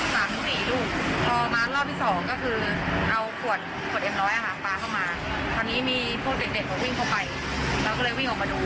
เสร็จปุ๊บเขาก็เลยปวดออกมาตรงนู้นแล้ว